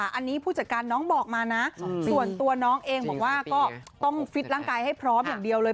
อันนี้ผู้จัดการน้องบอกมานะส่วนตัวน้องเองบอกว่าก็ต้องฟิตร่างกายให้พร้อมอย่างเดียวเลย